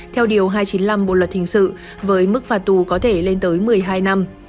theo điều hai trăm chín mươi năm bộ luật hình sự với mức phạt tù có thể lên tới một mươi hai năm